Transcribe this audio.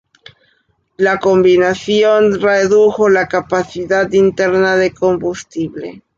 La combinación redujo la capacidad interna de combustible.